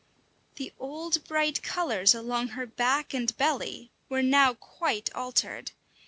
The old bright colours along her back and belly were now quite altered.